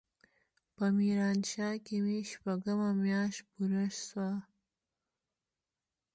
په ميرانشاه کښې مې شپږمه مياشت پوره سوه.